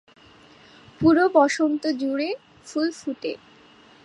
পুরো বসন্ত জুড়ে ফুল ফুটে।